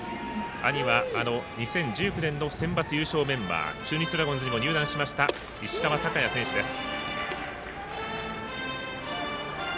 兄はあの２０１９年のセンバツ優勝メンバー中日ドラゴンズにも入団しました石川昂弥選手です。